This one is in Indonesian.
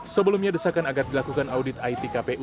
sebelumnya desakan agar dilakukan audit itkpu